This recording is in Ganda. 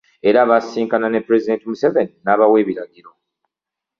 Era baasisinkana ne Pulezidenti Museveni n'abawa ebiragiro